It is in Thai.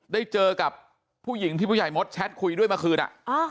ได้เจอกับผู้หญิงที่ผู้ใหญ่มดแชทคุยด้วยเมื่อคืน